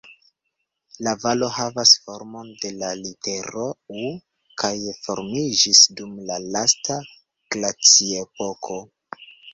La valo havas formon de la litero "U" kaj formiĝis dum la lasta glaciepoko.